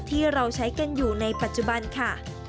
ที่เราใช้กันอยู่ในปัจจุบันค่ะ